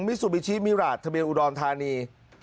ซูบิชิมิราชทะเบียนอุดรธานี